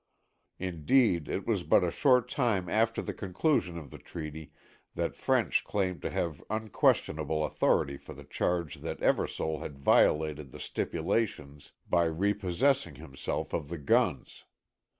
Indeed, it was but a short time after the conclusion of the treaty that French claimed to have unquestionable authority for the charge that Eversole had violated the stipulations by repossessing himself of the guns.